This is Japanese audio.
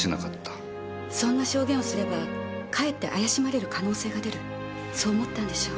そんな証言をすればかえって怪しまれる可能性が出るそう思ったんでしょう。